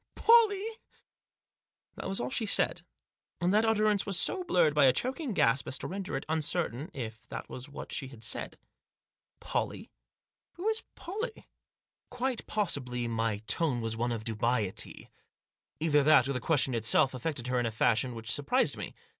" Pollie I" That was all she said ; and that utterance was so blurred by a choking gasp as to render it uncertain if that was what she had said. "Pollie? Who is Pollie?" Quite possibly my tone was one of dubiety. Either that or the question itself affected her in a fashion which surprised me.